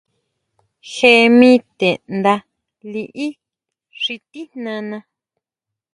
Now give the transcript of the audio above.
Jee mi te nda liʼí xi tijnana.